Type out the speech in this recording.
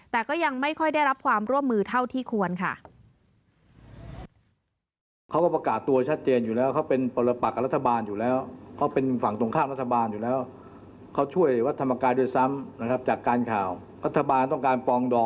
แต่ก็ยังไม่ค่อยได้รับความร่วมมือเท่าที่ควรค่ะ